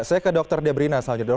saya ke dr debrina selanjutnya dulu